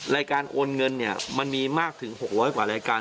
รายการโอนเงินเนี่ยมันมีมากถึง๖๐๐กว่ารายการ